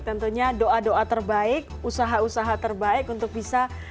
tentunya doa doa terbaik usaha usaha terbaik untuk bisa